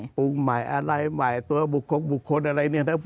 ปรุงใหม่อะไรใหม่ตัวบุคคลอะไรเนี่ยนะ